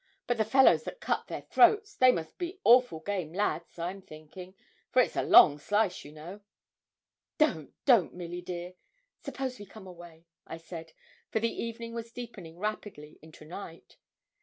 But the fellows that cut their throats, they must be awful game lads, I'm thinkin', for it's a long slice, you know.' 'Don't, don't, Milly dear. Suppose we come away,' I said, for the evening was deepening rapidly into night.